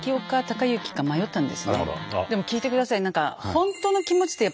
でも聞いてください。